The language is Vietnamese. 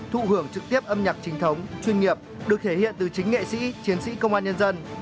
thụ hưởng trực tiếp âm nhạc trình thống chuyên nghiệp được thể hiện từ chính nghệ sĩ chiến sĩ công an nhân dân